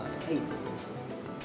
はい。